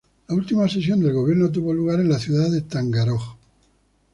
La última sesión del gobierno tuvo lugar en la ciudad de Taganrog.